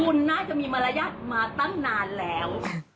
คุณน่าจะมีมารยาทมาตั้งนานแล้ว